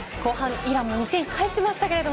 後半イランは２点返しましたけど